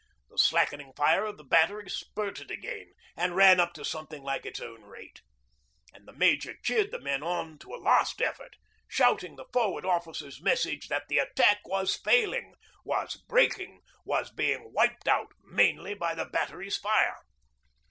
The slackening fire of the Battery spurted again and ran up to something like its own rate. And the Major cheered the men on to a last effort, shouting the Forward Officer's message that the attack was failing, was breaking, was being wiped out mainly by the Battery's fire.